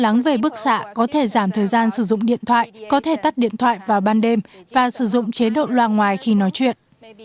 lắng về bức xạ có thể giảm thời gian sử dụng điện thoại có thể tắt điện thoại vào ban đêm và sử dụng chế độ loa ngoài khi nói chuyện